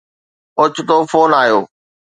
اوچتو فون آيو